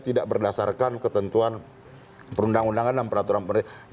tidak berdasarkan ketentuan perundang undangan dan peraturan pemerintah